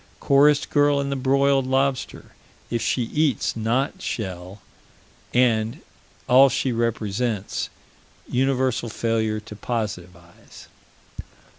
Chorus girl and the broiled lobster. If she eats not shell and all she represents universal failure to positivize.